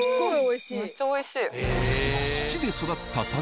めっちゃおいしい。